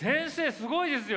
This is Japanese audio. すごいですよ。